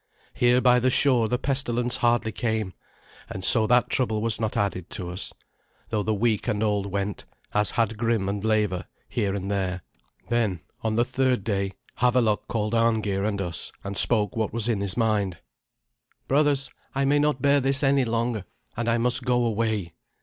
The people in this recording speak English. Here by the shore the pestilence hardly came, and so that trouble was not added to us, though the weak and old went, as had Grim and Leva, here and there. Then, on the third day, Havelok called Arngeir and us, and spoke what was in his mind. "Brothers, I may not bear this any longer, and I must go away.